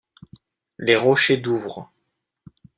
Les rochers Douvres